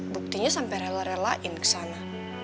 buktinya sampai rela relain ke sana